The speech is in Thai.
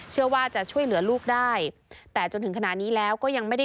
เชื่อว่าจะช่วยเหลือลูกได้แต่จนถึงขณะนี้แล้วก็ยังไม่ได้